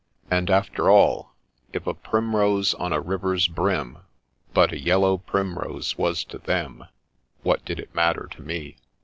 And after all, if a primrose on a river's brim, but a yellow primrose was to them, what did it matter to me